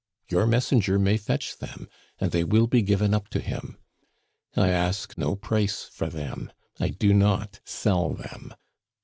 Your messenger may fetch them, and they will be given up to him. "I ask no price for them; I do not sell them.